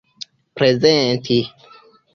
prezenti